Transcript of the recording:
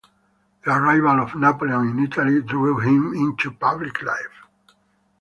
The arrival of Napoleon in Italy drew him into public life.